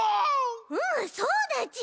うんそうだち！